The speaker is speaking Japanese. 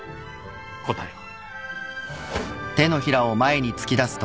答えは。